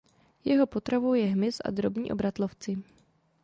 Jeho potravou je hmyz a drobní obratlovci.